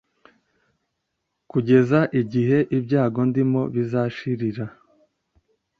kugeza igihe ibyago ndimo bizashirira